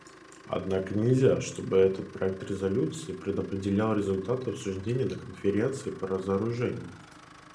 Однако нельзя, чтобы этот проект резолюции предопределял результаты обсуждений на Конференции по разоружению.